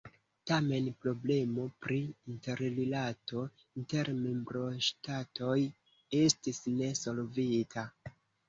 Tamen problemo pri interrilato inter membroŝtatoj estis ne solvita.